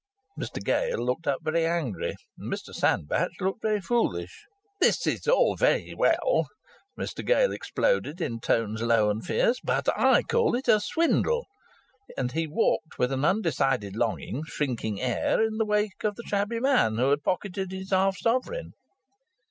Mr Gale looked up very angry and Mr Sandbach looked very foolish. "This is all very well," Mr Gale exploded in tones low and fierce. "But I call it a swindle." And he walked, with an undecided, longing, shrinking air, in the wake of the shabby man who had pocketed his half sovereign.